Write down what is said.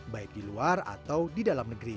baik di luar atau di dalam negeri